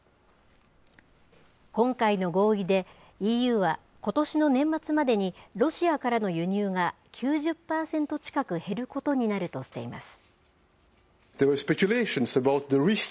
今回の合意でＥＵは、ことしの年末までにロシアからの輸入が９０％近く減ることになるとしています。